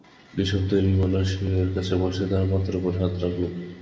নিঃশব্দে বিমলার শিয়রের কাছে বসে তার মাথার উপর হাত রাখলুম।